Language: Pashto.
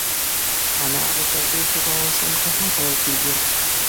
انار د تودوخې په موسم کې هم خوړل کېږي.